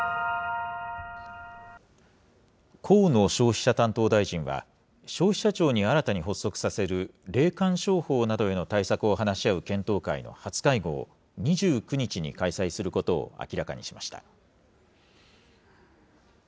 河野消費者担当大臣は、消費者庁に新たに発足させる霊感商法などへの対策を話し合う検討会の初会合を、２９日に開催することを明らかにしました。